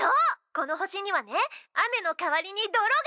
この星にはね雨の代わりに泥が。